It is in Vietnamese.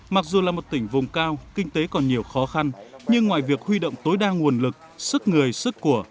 mặc dù là một tỉnh vùng cao kinh tế còn nhiều khó khăn nhưng ngoài việc huy động tối đa nguồn lực sức người sức của